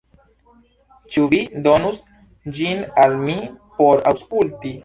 Ĉu vi donus ĝin al mi por aŭskulti?